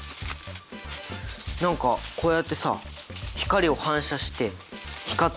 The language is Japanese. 何かこうやってさ光を反射して光ってるよね！